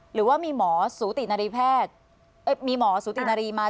หรือว่ามีหมอสูตินารีแพทย์มีหมอสูตินารีมา